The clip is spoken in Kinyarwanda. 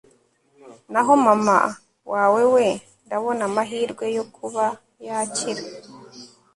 Naho mama wawe we ndabona amahirwe yo kuba yakira